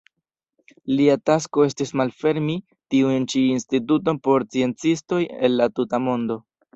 Lia tasko estis malfermi tiun ĉi instituton por sciencistoj el la tuta mondo.